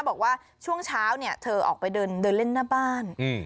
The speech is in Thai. บอกว่าช่วงเช้าเนี่ยเธอออกไปเดินเล่นหน้าบ้าน